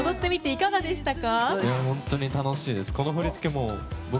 いかがでしたか？